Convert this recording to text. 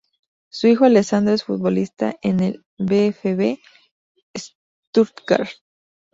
Su hijo Alessandro es futbolista en el VfB Stuttgart.